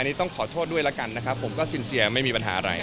อันนี้ต้องขอโทษด้วยแล้วกันนะครับผมก็สินเซียไม่มีปัญหาอะไร